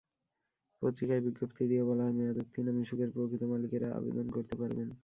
পত্রিকায় বিজ্ঞপ্তি দিয়ে বলা হয়, মেয়াদোত্তীর্ণ মিশুকের প্রকৃত মালিকেরা আবেদন করতে পারবেন।